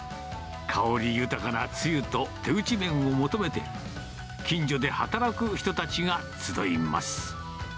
香り豊かなつゆと、手打ち麺を求めて、近所で働く人たちが集います。